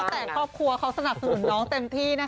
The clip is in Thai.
ไม่ได้ก็แล้วแต่ครอบครัวเขาสนับสนุนน้องเต็มที่นะคะ